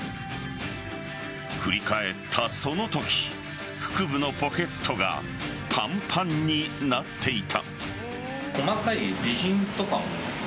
振り返った、そのとき腹部のポケットがパンパンになっていた。